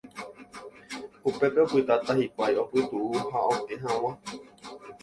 Upépe opytáta hikuái opytu'u ha oke hag̃ua.